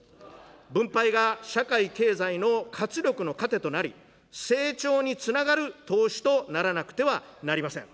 分配が社会経済の活力の糧となり、成長につながる投資とならなくてはなりません。